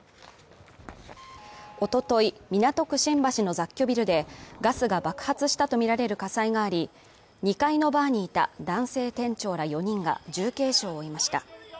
おととい港区新橋の雑居ビルでガスが爆発したとみられる火災があり、２階のバーにいた男性店長ら４人が重軽傷を負いました。